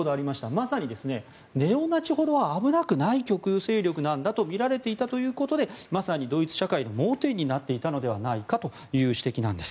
まさにネオナチほど危なくない極右組織なんだとみられていたということでまさにドイツ社会の盲点になっていたのではないかという指摘です。